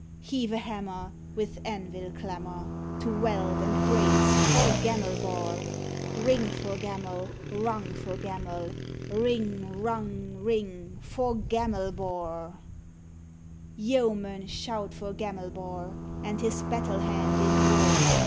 Heave a hammer With anvil clamor, To weld and brace for Gamelbar! Ring for Gamel! Rung for Gamel! Ring rung ring for Gamelbar! Yeomen, shout for Gamelbar, And his battle hand in war!